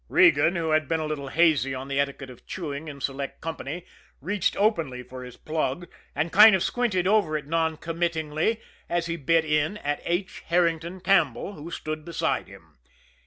Regan, who had been a little hazy on the etiquette of chewing in select company, reached openly for his plug and kind of squinted over it non committingly, as he bit in, at H. Herrington Campbell, who stood beside him.